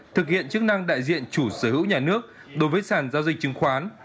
thực hiện chức năng đại diện chủ sở hữu nhà nước đối với sản giao dịch chứng khoán